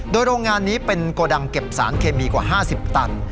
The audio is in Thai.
โดยโรงงานนี้เป็นโกดังเก็บสารเคมีกว่า๕๐ตัน